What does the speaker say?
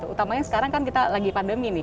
utamanya sekarang kan kita lagi pandemi nih